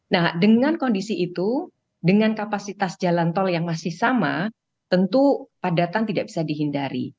nah dengan kondisi itu dengan kapasitas jalan tol yang masih sama tentu padatan tidak bisa dihindari